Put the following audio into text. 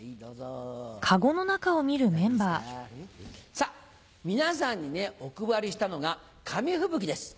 さぁ皆さんにお配りしたのが紙吹雪です。